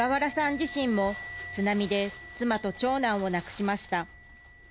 自身も津波で妻と長男を亡くしました。